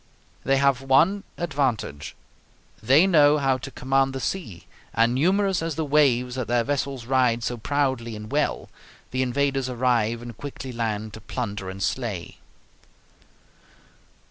They have one advantage: they know how to command the sea, and numerous as the waves that their vessels ride so proudly and well, the invaders arrive and quickly land to plunder and slay.